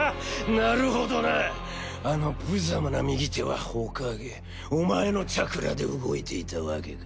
なるほどなあのぶざまな右手は火影お前のチャクラで動いていたわけか。